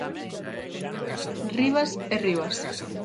Rivas é Rivas.